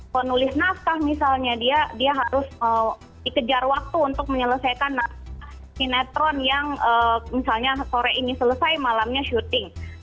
penulis naskah misalnya dia harus dikejar waktu untuk menyelesaikan sinetron yang misalnya sore ini selesai malamnya syuting